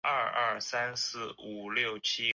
有资料才有资料科学